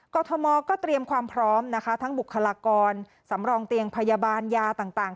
กรทมก็เตรียมความพร้อมนะคะทั้งบุคลากรสำรองเตียงพยาบาลยาต่าง